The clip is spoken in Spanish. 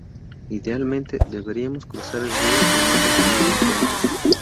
Idealmente, deberíamos cruzar el río y no construir un puente.